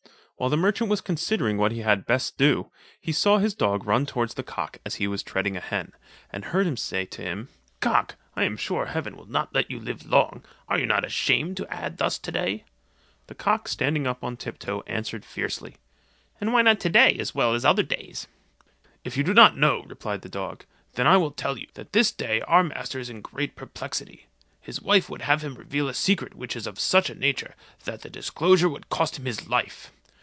While the merchant was considering what he had best do, he saw his dog run towards the cock as he was treading a hen, and heard him say to him: "Cock, I am sure heaven will not let you live long; are you not ashamed to ad thus to day?" The cock standing up on tiptoe, answered fiercely: "And why not to day as well as other days?" "If you do not know," replied the dog, "then I will tell you, that this day our master is in great perplexity. His wife would have him reveal a secret which is of such a nature, that the disclosure would cost him his life.